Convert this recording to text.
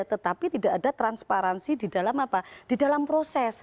tetapi tidak ada transparansi di dalam proses